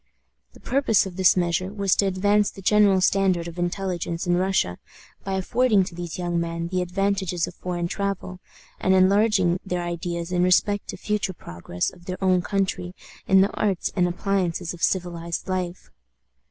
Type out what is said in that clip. The purpose of this measure was to advance the general standard of intelligence in Russia by affording to these young men the advantages of foreign travel, and enlarging their ideas in respect to the future progress of their own country in the arts and appliances of civilized life.